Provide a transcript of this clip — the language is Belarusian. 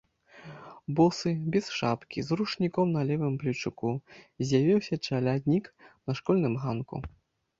Босы, без шапкі, з ручніком на левым плечуку, з'явіўся чаляднік на школьным ганку.